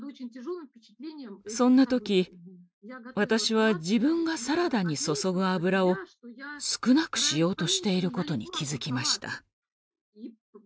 そんな時私は自分がサラダに注ぐ油を少なくしようとしていることに気付きました。